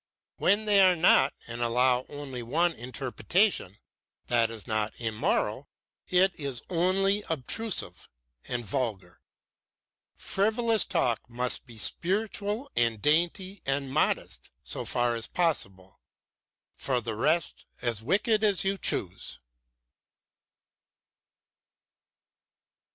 When they are not and allow only one interpretation, that is not immoral, it is only obtrusive and vulgar. Frivolous talk must be spiritual and dainty and modest, so far as possible; for the rest as wicked as you choose."